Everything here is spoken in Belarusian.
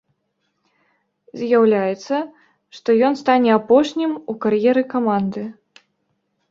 Заяўляецца, што ён стане апошнім у кар'еры каманды.